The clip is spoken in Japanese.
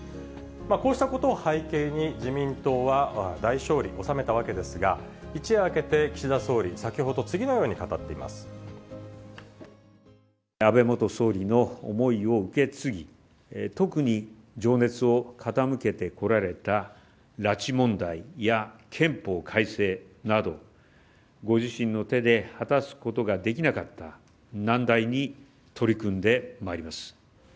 こうしたことを背景に、自民党は大勝利収めたわけですが、一夜明けて岸田総理、先ほど、安倍元総理の思いを受け継ぎ、特に情熱を傾けてこられた拉致問題や憲法改正など、ご自身の手で果たすことができなかった難題に取り組んでまいります。